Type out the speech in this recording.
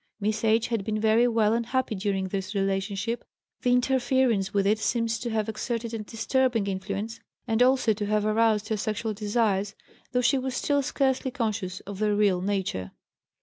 Miss H. had been very well and happy during this relationship; the interference with it seems to have exerted a disturbing influence, and also to have aroused her sexual desires, though she was still scarcely conscious of their real nature.